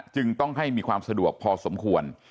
จึงต้องให้มีความสะดวกพอสมควร